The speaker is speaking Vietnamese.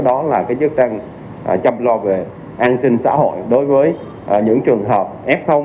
đó là chức năng chăm lo về an sinh xã hội đối với những trường hợp f